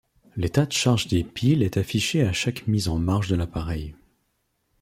L'état de charge des piles est affiché à chaque mise en marche de l'appareil.